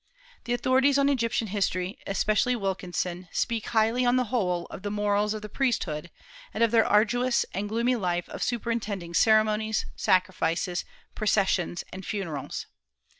The authorities on Egyptian history, especially Wilkinson, speak highly, on the whole, of the morals of the priesthood, and of their arduous and gloomy life of superintending ceremonies, sacrifices, processions, and funerals.